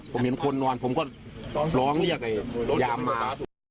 ผมเห็นคนนอนผมก็ร้องเรียกยามมา